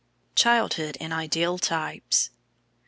CHILDHOOD IN IDEAL TYPES.